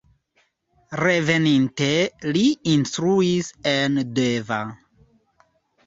Reveninte li instruis en Deva.